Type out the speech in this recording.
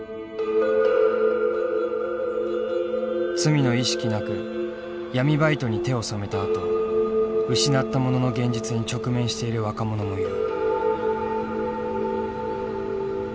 罪の意識なく闇バイトに手を染めたあと失ったものの現実に直面している若者もいる。